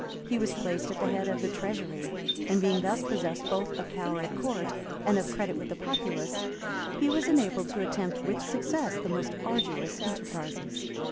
He was placed at the head of the treasury,[*] and being thus possessed both of power at court, and of credit with the populace, he was enabled to attempt with success the most arduous enterprises.